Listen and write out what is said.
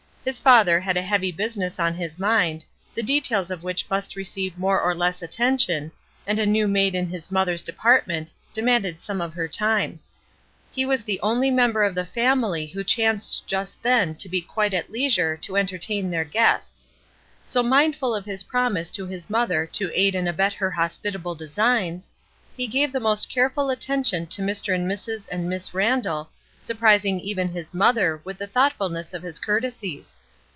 His father had a heavy business on his mind, the details of which must receive more or less 403 404 ESTER RIED'S NAMESAKE attention, and a new maid in his mother's department demanded some of her time; he was the only member of the family who chanced just then to be quite at leisure to entertain their guests. So, mindful of his promise to his mother to aid and abet her hospitable designs, he gave the most careful attention to Mr. and Mrs. and Miss Randall, surprising even his mother with the thoughtfulness of his courte sies.